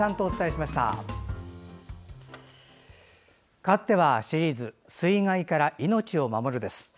かわってはシリーズ「水害から命を守る」。